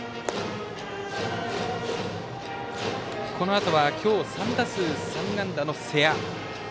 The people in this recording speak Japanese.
このあとは今日、３打数３安打の瀬谷。